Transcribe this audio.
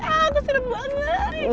aku seru banget